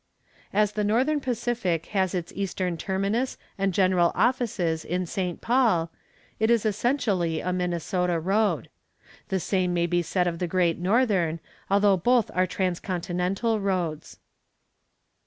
As the Northern Pacific has its eastern terminus and general offices in St. Paul, it is essentially a Minnesota road. The same may be said of the Great Northern, although both are transcontinental roads.